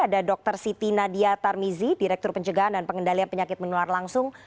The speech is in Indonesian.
ada dr siti nadia tarmizi direktur pencegahan dan pengendalian penyakit menular langsung